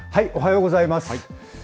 おはようございます。